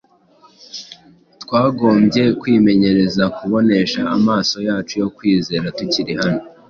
twagombye kwimenyereza kumubonesha amaso yacu yo kwizera tukiri hano.